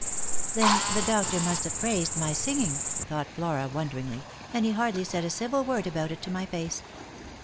"Then the doctor must have praised my singing," thought Flora, wonderingly ;" and he hardly said a civil word about it to my face.